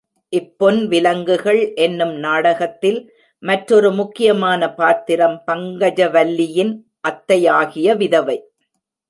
இப் பொன் விலங்குகள் என்னும் நாடகத்தில், மற் றொரு முக்கியமான பாத்திரம் பங்கஜவல்லியின் அத்தையாகிய விதவை.